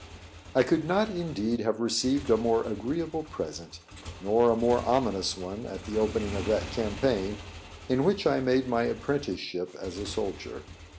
I could not indeed have received a more agreeable present, nor a more ominous one at the opening of that campaign, in which I made my apprenticeship as a soldier.